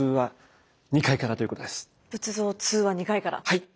はい！